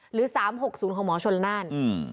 หรือ๓๖๐ของหมอชนน่าน